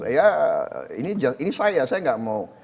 ya ini saya saya nggak mau